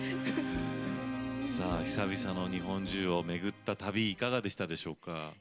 久々の日本中を巡った旅いかがでしたでしょうか？